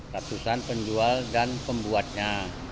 ratusan penjual dan pembuatnya